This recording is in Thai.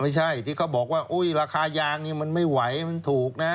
ไม่ใช่ที่เขาบอกว่าราคายางมันไม่ไหวถูกนะ